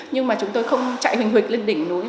nhưng mà chúng tôi không chạy hình huỵch lên đỉnh núi